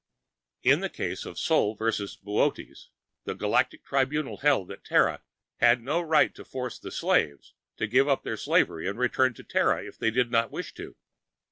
In the case of Sol v. Boötes, the Galactic Tribunal held that Terra had no right to force the "slaves" to give up their slavery and return to Terra if they did not wish to.